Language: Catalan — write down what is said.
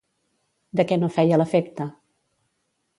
De què no feia l'efecte?